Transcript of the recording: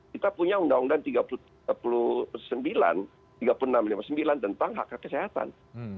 kita punya undang undang tiga puluh sembilan tiga puluh enam lima puluh sembilan tentang hak hak kesehatan